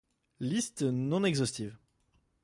Listes non exhaustives.